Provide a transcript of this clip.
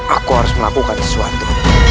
aku harus melakukan sesuatu